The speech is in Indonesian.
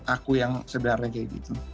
aku yang sederhana kayak gitu